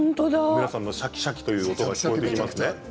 皆さんのシャキシャキという音が聞こえてきます。